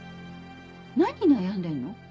何悩んでんの？